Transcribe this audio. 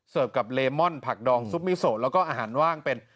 กับเลมอนผักดองซุปมิโซแล้วก็อาหารว่างเป็น